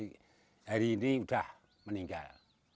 hari ini sudah meninggal